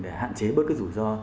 để hạn chế bớt cái rủi ro